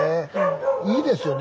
いいですよね。